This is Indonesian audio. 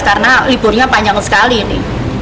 karena liburnya panjang sekali ini